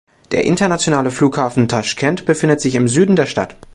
Der internationale Flughafen Taschkent befindet sich im Süden der Stadt.